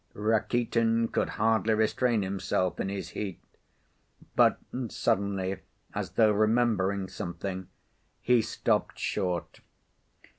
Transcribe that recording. Rakitin could hardly restrain himself in his heat, but, suddenly, as though remembering something, he stopped short.